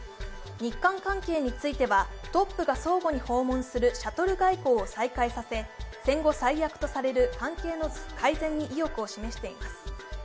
日韓関係についてはトップが相互に訪問するシャトル外交を再開させ戦後最悪とされる関係の改善に意欲を示しています。